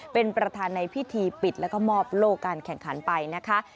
เป็นประธานในพิธีปิดแล้วก็มอบโลกการแข่งขันไปนะคะ